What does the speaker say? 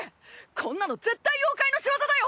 こんなの絶対妖怪のしわざだよ！